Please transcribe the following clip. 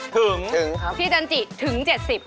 ถึงพี่จันจิถึง๗๐